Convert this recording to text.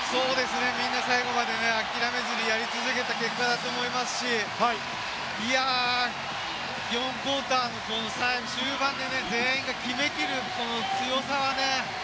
みんな最後まで諦めずにやり続けた結果だと思いますし、４クオーターの終盤で全員が決め切るこの強さが。